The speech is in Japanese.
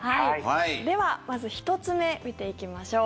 では、まず１つ目見ていきましょう。